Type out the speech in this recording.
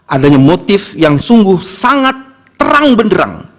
adanya motif yang sungguh sangat terang benderang